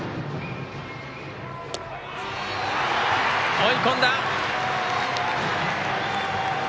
追い込んだ！